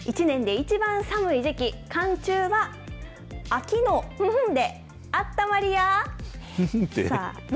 １年で一番寒い時期、寒中は秋のふふんで、あったまりや。